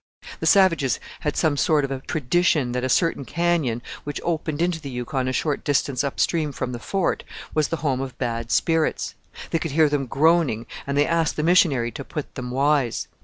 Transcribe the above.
"The savages had some sort of a tradition that a certain canyon, which opened into the Yukon a short distance up stream from the Fort, was the home of bad spirits; they could hear them groaning, and they asked the missionary to 'put them wise.'